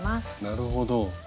なるほど。